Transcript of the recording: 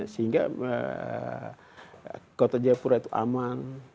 sehingga kota jayapura itu aman